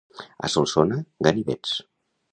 A Solsona, ganivets.